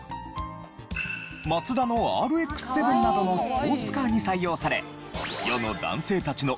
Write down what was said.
マツダのＲＸ−７などのスポーツカーに採用され。